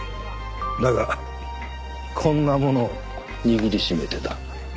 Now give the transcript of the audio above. だがこんなものを握りしめてた。